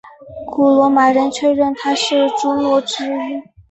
古罗马人确认她是朱诺之一。